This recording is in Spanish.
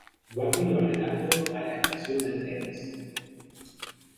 Barrio aledaño a la estación de trenes.